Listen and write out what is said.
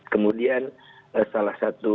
kemudian salah satu